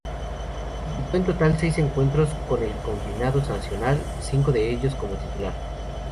Disputó en total seis encuentros con el combinado nacional, cinco de ellos como titular.